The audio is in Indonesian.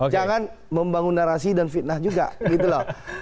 jangan membangun narasi dan fitnah juga begitulah